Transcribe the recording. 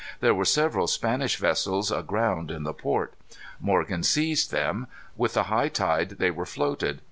There were several Spanish vessels aground in the port. Morgan seized them. With the high tide they were floated.